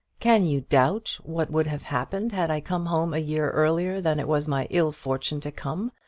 Can you doubt what would have happened had I come home a year earlier than it was my ill fortune to come?